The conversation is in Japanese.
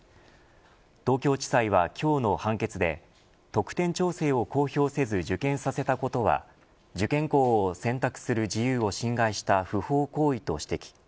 東京地裁は、今日の判決で得点調整を公表せず受験させたことは受験校を選択する自由を侵害した不法行為と指摘。